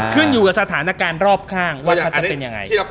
ขึ้นอยู่กับสถานการณ์รอบข้างว่าเขาจะเป็นยังไง